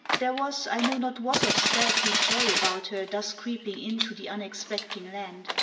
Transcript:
There was I know not what of stealthy joy about her thus creeping in to the unexpecting land.